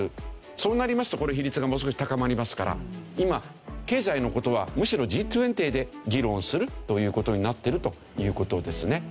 そうなりますとこの比率がもう少し高まりますから今経済の事はむしろＧ２０で議論するという事になってるという事ですね。